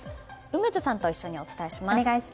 梅津さんと一緒にお伝えします。